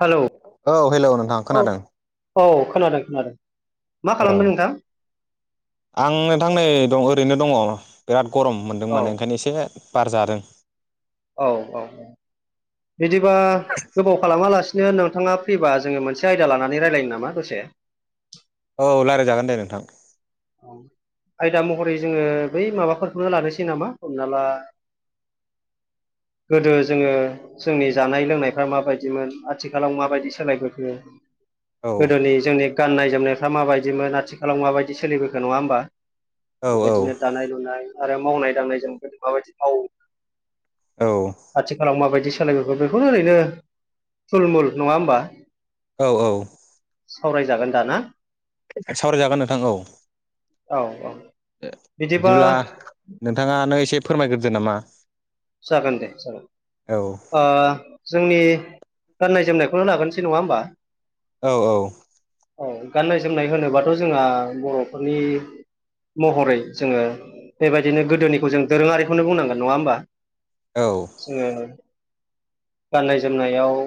Hello औ hello नोंथां औ खोनादों। औ खोनादों खोनादों। मा औ खालामदों नोंथां आं नोंथां नै दं ओरैनो दङ' बिराद गरम मोनदों औ माने ओंखायनो एसे बार जादों। औ औ औ बिदिबा गोबाव खालामाला सिनो नोंथाङा फैबा जोङो मोनसे आयदा लानानै रायलायनो नामा दसे औ रायजलायजागोन दे नोंथां। आयदा महरै जोङो बै माबाफोरखौनो लानोसै नामा हमना ला [inaudible] गोदो जोङो जोंनि जानाय लोंनायफ्रा माबायदिमोन आथिखालाव माबायदि सोलायबोखो औ गोदोनि जोंनि गाननाय जोमनायफ्रा माबायदिमोन आथिखालाव माबायदि सोलिबोखो नङा होमबा? औ औ बेबायदिनो दानाय-लुनाय आरो मावनाय-दांनाय जों माबायदि मावो? औ आथिखालाव माबायदि सो लाय बेखौनो ओरैनो थुलमुल नङा होमबा? औ औ सावरायजागोन दा ना? सावरायजागोन नोंथां औ। औ औ ओ बिदिबा बिदिब्ला नोंथाङानो एसे फोरमायग्रोदो नामा जागोन दे जागोन औ ओ जोंनि गाननाय जोमनायखौनो लाग्रोनोसै नङा होमबा? औ औ औ गाननाय जोमनाय होनोबाथ' जोंहा बर'फोरनि महरै जोङो बेबायदिनो गोदोनिखौ जों दोरोङारिखौनो बुंनांगोन नङा होमबा? औ जोङो गाननाय जोमनायाव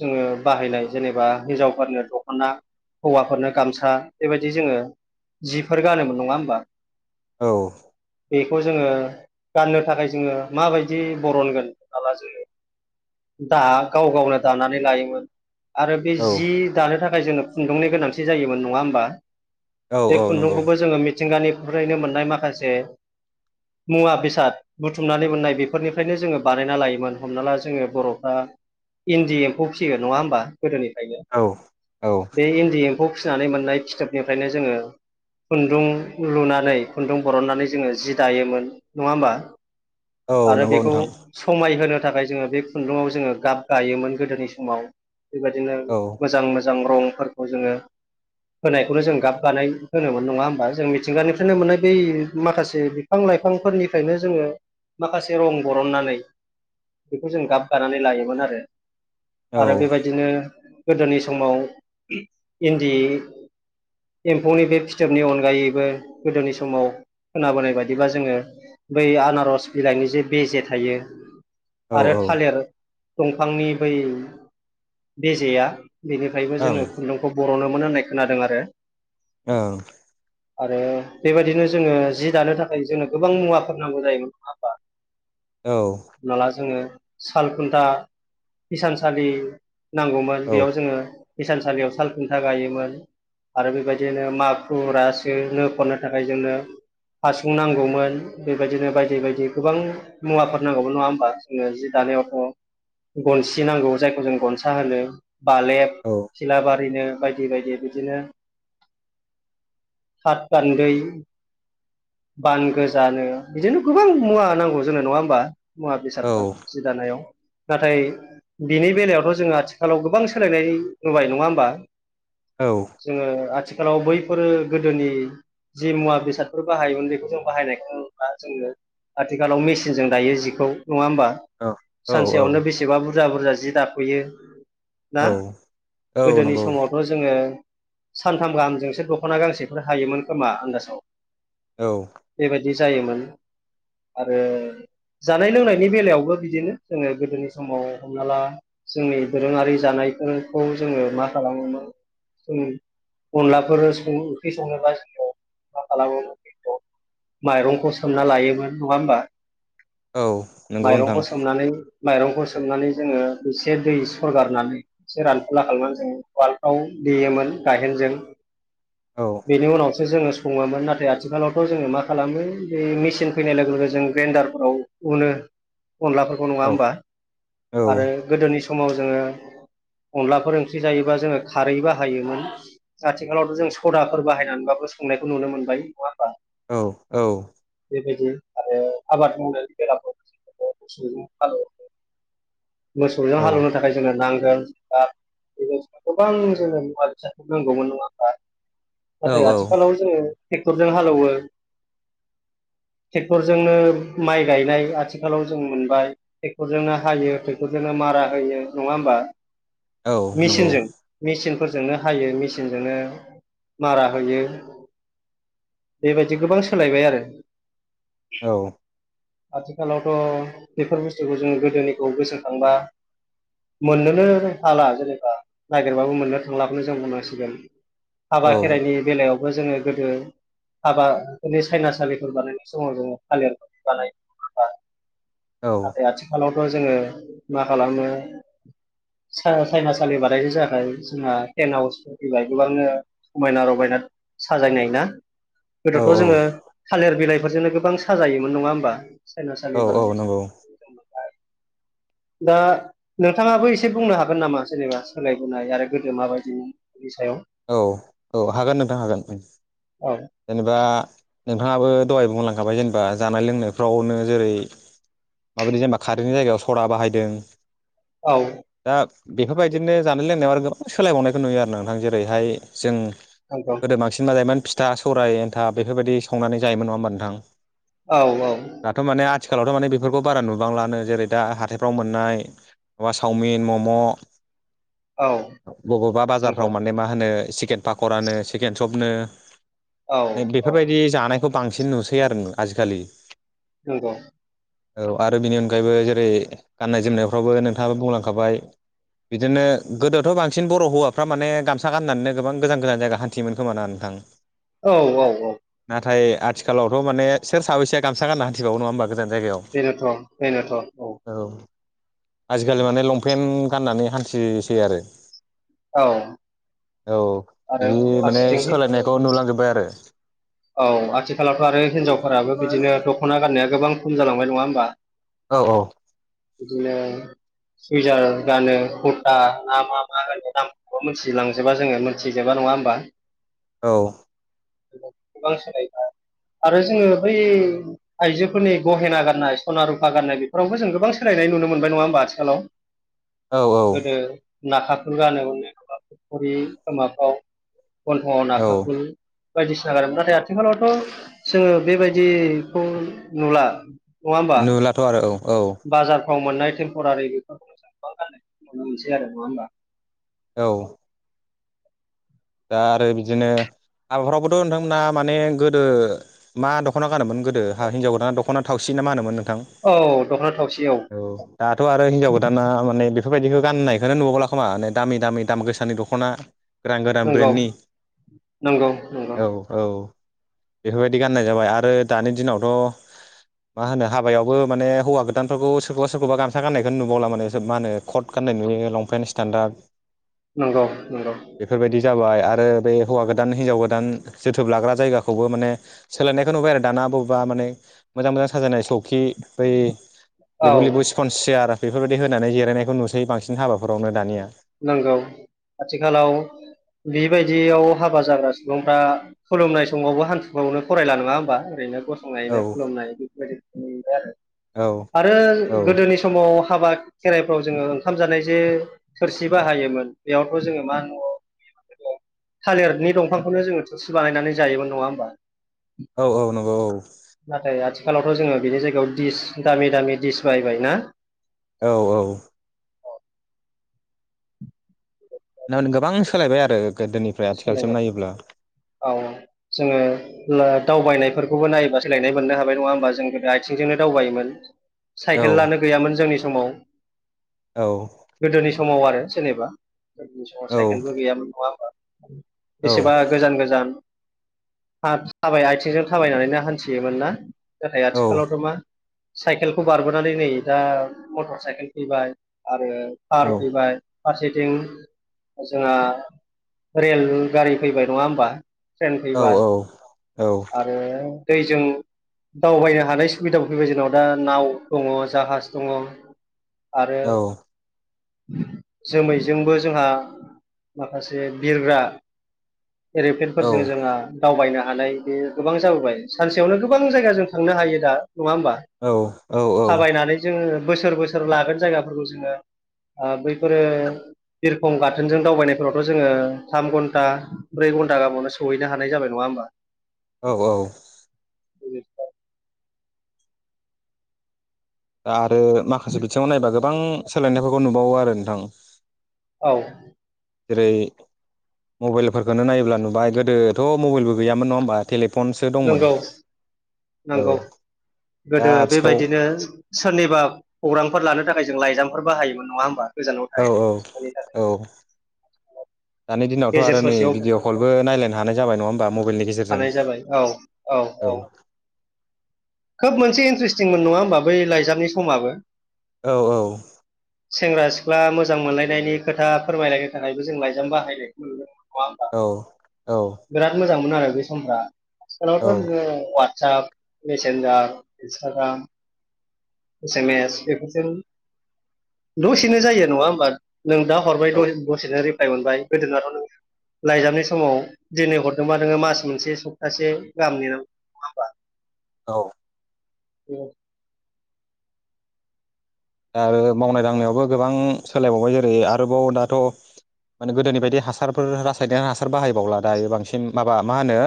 जोङो बाहायनाय जेनेबा हिनजावफोरनो दख'ना हौवाफोरनो गामसा बेबायदि जोङो जिफोर गानोमोन नङा होमबा? औ बेखौ जोङो गाननो थाखाय जोङो माबायदि बरनगोन माला जोङो दा गाव गावनो दानानै लायोमोन आरो बे औ जि दानो थाखाय जोंङो खुन्दुंनि गोनांथि जायोमोन नङा होमबा? औ बे औ नंगौ खुन्दुंखौबो जोङो मिथिंगानि फ्रायनो मोननाय माखासे मुवा बेसाद बुथुमनानै मोननाय बेफोरनिफ्रायनो जोङो बानायना लायोमोन हमना ला जोङो बर'फ्रा इन्दि एम्फौ फिसियो नङा होमबा गोदोनिफ्रायनो, औ औ बे इन्दि एम फौ फिनानै मोननाय फिथोबनिफ्रायनो जोङो खुन्दुं लुनानै खुन्दुं बरननानै जोङो जि दायोमोन नङा होमबा। औ आरो नंगौ बेखौ नोंथां समायहोनो थाखाय जोङो बे खुन्दुंङाव जोङो गाब गायोमोन गोदोनि समाव बेबायदिनो औ मोजां मोजां। मोजां रंफोरखौ जोङो होनायखौनो जों गाब गानाय होनोमोन नङा होमबा जों मिथिंगानिफ्रायनो मोननाय बै माखासे बिफां लाइफांफोरनिफ्रायनो जोङो माखासे रं बरननानै बेखौ जों गाब गानानै लायोमोन आरो। औ आरो बेबायदिनो गोदोनि समाव इन्दि एम्फौनि बे फिथोबनि अनगायैबो गोदोनि समाव खोनाबोनाय बायदिबा जोङो बै आनारस बिलाइनि जे बेजे थायो औ आरो ओं थालिर दंफांनि बै बेजेया बेनिफ्रायबो ओं जोङो खुन्दुंखौ ब बरनोमोन होननाय खोनादों आरो। औ। आरो बेबायदिनो जोङो जि दानो थाखाय जोंनो गोबां मुवाफोर नांगौ जायोमोन नङा होमबा। औ हाला जोङो सालखुन्था हिसानसालि नांगौमोन औ बेयाव जोङो हिसानसालियाव साल खुन्था गायोमोन। आरो बेबायदिनो माखु [unintelligible] खननो थाखाय जोंनो हासुं नांगौमोन बेबायदिनो बायदि बायदि। जि गोबां मुवाफोर नांगौमोन नङा होमबा जोङो जि दानायावथ'। गनसि नांगौ जायखौ जों गनसा होनो बालेब सिलाबारिनो बायदि बायदि बिदिनो थाथ गान्दै बान गोजानो बिदिनो गोबां मुवा नांगौ जोंनो नङा होमबा मुवा बेसादफोर जि दानायाव नाथाय बिनि बेलायावथ' जोङो आथिखालाव गोबां सोलायनाय नुबाय नङा होमबा। औ जोङो आथिखालाव बैफोरो गोदोनि जि मुवा बेसादफोर बाहायोमोन बेखौ जों बाहायनायखौ नुला जोङो आथिखालाव मेसिनजों दायो जिखौ नङा होमबा औ औ सानसेयावनो बेसेबा बु बुरजा बुरजा जि दाफोयो ना औ औ गोदोनि नंगौ समावथ' जोङो सानथाम गाहामजोंसो दख'ना गांसेफोर हायोमोन खोमा आन्दाजाव। औ। बिदि जायोमोन आरो जानाय लोंनायनि बेलायावबो बिदिनो जोङो गोदोनि समाव हमना ला जोंनि दोरोङारि जानाय [unintelligible] जोङो मा खालामोमोन जों अनलाफोर ओंख्रि सङोबा [unintelligible] मा खालामोमोन बे माइरंखौ सोमना लायोमोन नङा होमबा। औ नंगौ नोंथां माइरंखौ सोमनानै। माइरंखौ सोमनानै जोङो एसे दै सरगारनानै एसे रानफुला खालामनानै जोङो उवालफ्राव। देयोमोन गायहेनजों। औ बेनि उनावसो जोङो सङोमोन नाथाय आथिखालावथ' जोङो मा खालामो बे मेचिन। फैनाय लोगो लोगो जों ग्रेनदारफोराव उनो। अनलाफोरखौ नङा औ होमबा आरो गोदोनि समाव जोङो अनलाफोर ओंख्रि जायोबा जोङो खारै बाहायोमोन आथिखालावथ' जों सदाफोर बाहायनानैबाबो संनायखौ नुनो मोनबाय नङा होमबा। औ औ। बेबायदि आरो आबाद मावनाय फोराबो [unintelligible] मोसौजों औ हालेवनो थाखाय जोंनो नां [unintelligible] गोबां जोंनो मुवा फोरखौ नांगौमोन नङा होमबा। औ नाथाय आथिखालाव जोङो ट्रेक्टरजों हालेवो ट्रेक्टरजों नो माइ गायनाय आथिखालाव जों मोनबाय ट्रेक्टरजोंनो हायो जो मारा हो ना हब औ नंगौ मिचिनजों फोरजोंनो हायो मेसिनजोंनो मारा होयो बेबायदि गोबां सोलायबाय आरो औ आथिखालावथ' बेफोर बुस्थुखौ जों गोदोनिखौ गोसोखांबा मोननोनो हाला जेनेबा नागिरबाबो मोननो थांलाखौनो जों बुंनांसिगोन हाबा औ खेराइनि बेलायावबो जोङो गोदो हाबाफोरनि सायनासालिफोर बानायनाय समाव जोङो थालिरफोर बानाय बा औ नाथाय आथिखालावथ' जोङो मा खालामो साइनासालि बानायनो थाखाय जोंहा टेन हवस फैबाय गोबांनो समायना रमायना साजायनाय ना गोदोथ' जोङो थालिर बिलाइफोरजोंनो गोबां साजायोमोन नङा होमबा सायनासालि औ औ बानायनाय नंगौ दा नोंथाङाबो एसे बुंनो हागोन नामा जेनेबा सोलायबोनाय आरो गोदो माबायदिनि सायाव औ औ हागोन नोंथां हागोन औ जेनेबा नोंथाङाबो दहाय बुंलांखाबाय जेनेबा जानाय लोंनायफ्रावनो जेरै माबोरै जेनेबा कारेन्टनि जायगायाव सरा बाहायदों औ दा बेफोरबायदिनो जानाय लोंनायाव आरो गोबां सोलायबावनायखौ नुयो आरो नोंथां जेरैहाय जों नंगौ गोदो बांसिनबा जायोमोन फिथा सौराय एन्थाब बेफोरबायदि संनानै जायोमोन नङा होमबा नोंथां औ औ दाथ' माने आथिखालावथ' माने बेफोरखौ बारा नुबां लानो जेरै दा हाथायफ्राव मोननाय माबा चावमिन मम' औ बबावबा बाजारफ्राव नंगौ माने मा होनो चिकेन पाखरानो चिकेन सपनो औ औ बेफोरबायदि जानायखौ बांसिन नुसै आरो आजिखालि नोंग औ आरो बिनि अनगायैबो जेरै गाननाय जोमनायफ्रावबो नोंथाङाबो बुंलांखाबाय बिदिनो गोदोथ' बांसिन बर' हौवाफ्रा माने गामसा गाननानै गोबां गोजान गोजान जायगा हान्थियोमोन खोमोना नोंथां औ औ औ नाथाय आथिखालावथ' माने सोर साबैया गामसा गानना हान्थिबावौ नाङा होनबा गो जान बेनोथ बेनोथ औ आजिखालि माने लंपेन्ट गाननानै हान्थिसै आरो। औ औ आरो बिदि माने फारसेथिं सोलायनायखौ नुलांजोबबाय आरो औ आथिखालावथ' आरो हिनजावफोराबो बिदिनो दख'ना गाननाया गोबां खम जालांबाय नङा होमबा औ औ बिदिनो सुइजार गानो कुरथा ना मा मा होनो नामखौबो मिथिलांजोबा जोङो मोनथिजोबा ना नङा होमबा औ गोबांसोलायनाय आरो जोङो बै आइजोफोरनि गहेना गाननाय सना रुफा गाननाय बेफोरावबो जों गोबां सोलायनाय नुनो मोनबाय नङा होन आथिखालाव। औ औ नाखाफोर गानोा [unintelligible] खरि खाफ्राव गन्थ'आव औ नाखाफोर बायदिसिना गार नाथाय आथिखालावथ' जोङो बेबायदिखौ नुला नुलाथ' आरो औ औ गोथाव मोननाय टेम्परारि बेफोरखौनो जों गोबां गाननाय नुनो मोनसै आरो नङा होमबा [inaudible] औ दा आरो बिदिनो हाबाफोरावबोथ' नोंथांमोना माने गोदो मा दख'ना गानोमोन गोदो हिनजाव गोाना दख'ना थावसिन ना मा होनोमोन नोंथां औ दख'ना थावसि औ दाथ आरो हिनजाव गोदाना माने बे बेफोरबायदिखौ गाननायखौनो नुुबावला खोमा नै दामि दामि दाम गोसानि दखना गोदान गोदान नंगौ ब्रननि नंगौ नंगौ औ औ। बेफोरबायदि गाननाय जाबाय आरो दानि दिनावथ' मा होनो हाबायावबो माने हौवा गोदानफोरखौ सोरखौबा सोरखौबा गामसा गाननायखौनो नुबावला माने मा होनो खट खात गान्नाय नुयो लंपेन्ट स्टेनडाद। नंगौ नंगौ। जाबाय आरो बे हौवा गोदान हिनजाव गोदान जोथोब लाग्रा जायगाखौबो माने सोलायनायखौ नुबाय आरो दाना। [unintelligible] बावबा माने मोजां मोजां साजानाय सकि बै औ लेबु लेबु स्पन चियार। बेफोरबायदि होनानै जिरायनायखौ नुसै बांसिन हाबाफोरावनो दानिया। नांगौ आथिखालाव बेबायदियाव हाबा जाग्रा सुबुंफ्रा खुलुमनाय समावबो हान्थुफ्रावनो फरायला नङा होमबा ओरैनो गसंनाया औ खुलुमनाय बेफोरबायदि नबाय औ आरो औ आरो गोदोनि समाव हाबा खेराइफ्राव जोङो ओंखाम जानाय जे थोरसि बाहायोमोन बेयावथ' जोङो मा न'आव थालिरनि दंफांखौनो जोङो थोरसि बानायनानै जायोमोन नङा होमबा औ औ नंगौ औ। नाथाय आथिखालावथ' जोङो बेनि जायगायाव दिस दामि दामि दिस बायबाय ना। औ औ। थारमाने गोबां सोलायबाय आरो। गोदोनिफ्राय आथिखालसिम नायोब्ला सोलायबाय औ जोङो ओ दावबायनायफोरखौबो नायोबा सोलायनाय मोननो हाबाय नङा होमबा जों गोदो आथिंजोंनो दावबायोमोन। औ साइकेल लानो गैयामोन जोंनि समाव। औ। गोदोनि समाव आरो जेनेबा जोंनि समाव औ साइकेलबो गैयामोन नङा होमबा? बेसेबा औ गोजान गोजान आद थाबाय आथिंजों थाबायनानैनो हान्थियोमोन ना? नाथाय औ आथिखालावथ' मा साइकेलखौ बारबोनानै नै दा मटर साइकेल फैबाय आरो कार औ फैबाय। फारसेथिं जोंहा रेल गारि फैबाय नङा होमबा? ट्रेन औ फैबाय। औ आरो दैजों दावबायनो हानाय सुबिदाबो फैबाय जोंनाव दा नाव दङ जाहाज दङ। आरो जोमैजोंबो जोंहा माखासे बिरग्रा औ एरिपेनफोरजों जोंहा दावबायनो हानाय बे गोबां जाबोबाय सानसेयावनो गोबां जायगाजों थांनो हायो दा। नङा होमबा औ थाबायनानै जोङो बोसोर बोसोर लागोन जायगाफोरखौ जोङो ओ बैफोरो बिरखं गाथोनजों दावबायनायफोरावथ' जोङो थाम घन्टा ब्रै घन्टा बोवनो सहैनो हानाय जाब नङा होमबा? औ औ। [unintelligible] दा आरो माखासे बिथिङाव नायबा गोबां सोलायनायफोरखौ नुबावो आरो नोंथां। [unintelligible] जेरै मबाइलफोरखौनो नायोब्ला नुबाय गोदोथ' मबाइलबो गैयामोन नङा होमबा तेलि फनसो दंमोन। औ नांगौ दा गोदो आथिखाल बेबायदिनो सोरनिबा खौरांफोर लानो थाखाय जों लाइजामफोर बाहायोमोन नङा होमबा गोजानाव औ औ थायोनि थाखाय। औ दानि दिनावथ' गेजेर आरो नै ससेयाव भिडिअ' कलबो नायलायनो हानाय जाबाय नङा होमबा मबाइलनि गेजेरजों। थानाय जाबाय औ औ। खोब मोनसे इन्ट्रेस्टिंमोन नङा होमबा बै लाइजाबनि समाबो। औ औ सेंग्रा-सिख्ला मोजां मोनलायनायनि खोथा फोरमायलायनो थाखायबो जों लाइजाम बाहायनायखौ मोनदों। नङा हमबा? औ औ बिराद मोजांमोन आरो बे सम फोरा औ आथिखालावथ' जोङो दा मिसेनजार इन्सताग्राम एसेमेस बेफोरजों दसेनो जायो नङा होमबा? नों दा हरबाय औ दसेनो रिप्लाय मोनबाय गोदोनाथ' नों लाइजामनि समाव दिनै हरदोंबा नोङो मास मोनसे सप्तासे गाहामनि नेनांग- नङा होनबा? औ औ आरो मावनाय-दांनायावबो गोबां सोलायबावबाय जेरै आरोबाव दाथ' माने गोदोनि बायदि हासारफोर रासायनारि हासार बाहायबावला दायो बांसिन माबा मा होनो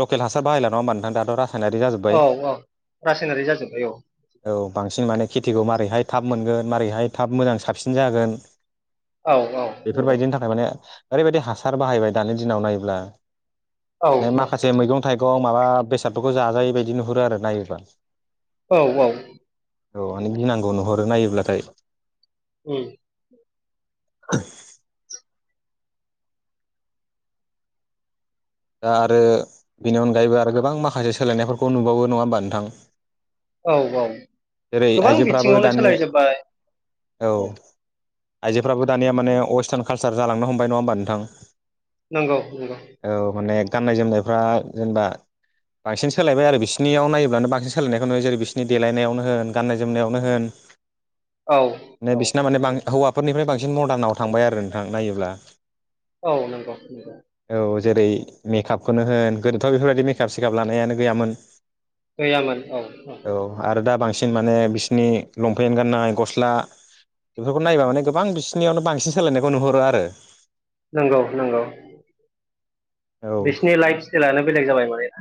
लकेल हासार बाहायला नङा होनबा नोंथां। दाथ' रास- औ औ रासायनारि जाजोब्बाय औ औ बांसिन माने खेथिखौ मारैहाय थाब मोनगोन मारोरैहाय थाब मोजां साबसिन जागोन औ औ नंगौ बेफोरबायदिनि थाखाय माने ओरैबायदि हासार बाहायबाय दानि दिनाव नायोब्ला औ माखासे मैगं- थाइगं माबा बेसादफोरखौ जाजायै बायदि नुहुरो आरो नायोब्ला। औ औ औ माने गिनांगौ नुहरो नायोब्लाथाय। उम [inaudible] दा आरो बेनि अनगायैबो आरो गोबां माखासे सोलायनायफोरखौ नुबावो नङा होमबा नोंथां? औ औ जेरै गोबां आइजोफ्राबो बिथिङावनो दानिया सोलायजोब्बाय औ। आइजोफ्राबो दानिया माने अवेस्टार्न कालसार जालांनो हमबाय नङा होमबा नोंथां? नंगौ नंगौ। गाननाय-जोमनायफ्रा जेनेबा बांसिन सोलायबाय आरो बिसिरनियाव नायब्लानो बांसिन सोलायनायखौ नुयो जेरै बिसिनि देलायनायावनो ओ गान्नाय जोमनायावनो होन। औ माने औ बिसिनिया माने हौवा- फोरनिफ्राय बांसिन मदार्नाव थांबाय आरो नोंथां नायोब्ला। औ नंगौ नंगौ। औ जेरै मेकआपखौनो होन गोदोथ' बेफोरबायदि मेकआप सेकाप लानायानो गैयामोन। औ आरो दा बांसिन माने बिसिनि लंपेन्ट गाननाय गस्ला बेफोरखौ नायबा माने गोबां बिसिनियावनो बांसिन सोलायनायखौ नुहरो आरो नंगौ नंगौ औ बिसिनि लाइफ स्टाइलानो बेलेग जाबाय माने। [inaudible]